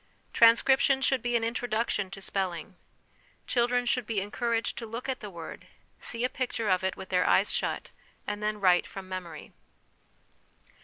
Transcription should be an introduction to spelling. Children should be encouraged to look at the word, see a picture of it with their eyes shut, and then write from memory.